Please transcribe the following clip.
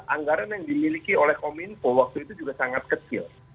anggaran yang dimiliki oleh kominfo waktu itu juga sangat kecil